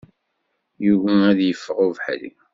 Yugi ad yi-iffeɣ ubeḥri.